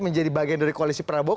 menjadi bagian dari koalisi prabowo